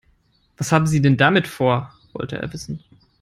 "Was haben Sie denn damit vor?", wollte er wissen.